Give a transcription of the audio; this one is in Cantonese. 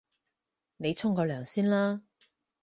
你沖個涼先啦